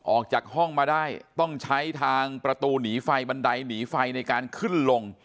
ออกจากห้องมาได้ต้องใช้ทางประตูหนีไฟบันไดหนีไฟในการขึ้นลง